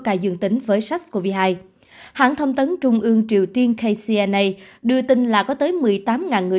ca dương tính với sars cov hai hãng thông tấn trung ương triều tiên kcna đưa tin là có tới một mươi tám người